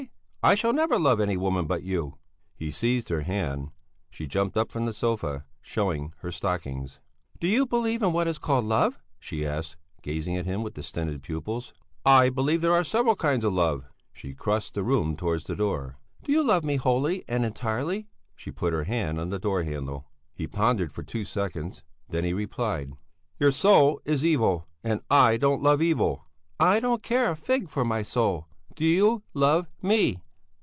I shall never love any woman but you!" He seized her hand. She jumped up from the sofa, showing her stockings. "Do you believe in what is called love?" she asked, gazing at him with distended pupils. "I believe there are several kinds of love." She crossed the room towards the door. "Do you love me wholly and entirely?" She put her hand on the door handle. He pondered for two seconds. Then he replied: "Your soul is evil, and I don't love evil." "I don't care a fig for my soul! Do you love me?